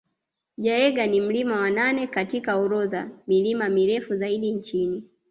Jaeger ni mlima wa nane katika orodha milima mirefu zaidi nchini